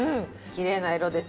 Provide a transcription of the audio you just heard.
きれいな色です。